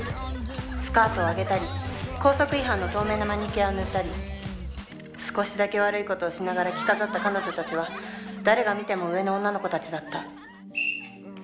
スカートをあげたり校則違反の透明のマニキュアを塗ったり少しだけ悪いことをしながら着飾った彼女たちは誰が見ても“上”の女の子たちだった。